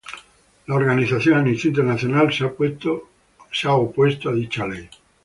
La organización Amnistía Internacional se ha opuesto a dicha ley.